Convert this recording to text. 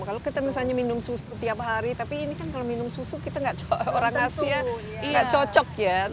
kalau kita misalnya minum susu tiap hari tapi ini kan kalau minum susu kita orang asia nggak cocok ya